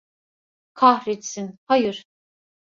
Kahretsin, hayır!